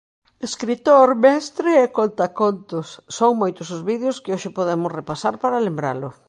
Escritor, mestre e contacontos, son moitos os vídeos que hoxe podemos repasar para lembralo.